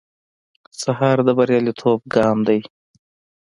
سهار د بریالیتوب ګام دی.